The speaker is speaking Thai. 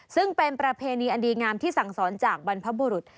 ซึ่งเป็นประเพณีอันดีงามที่สั่งสอนจากบรรพบุรุษ